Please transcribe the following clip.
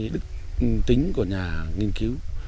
đức tính của nhà nghiên cứu